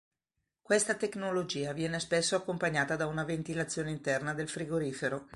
Questa tecnologia viene spesso accompagnata da una ventilazione interna del frigorifero.